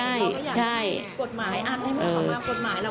เขาก็อยากให้มีกฎหมายอ่ะให้มีคำว่ามากฎหมาย